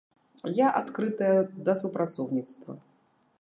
Я адкрытая да супрацоўніцтва.